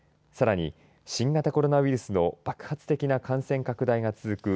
さらに新型コロナウイルスの爆発的な感染拡大が続く